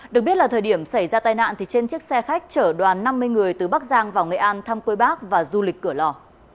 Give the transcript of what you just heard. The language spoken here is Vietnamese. được biết là thời điểm xảy ra tai nạn thì trên chiếc xe khách chở đoàn năm mươi người từ bắc giang vào nghệ an thăm quê bác và du lịch cửa lò